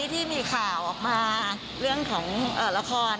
ที่มีข่าวออกมาเรื่องของละคร